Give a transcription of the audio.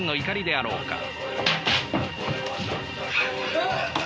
あっ！